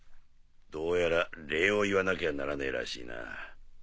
どうやら礼を言わなきゃならねえらしいな。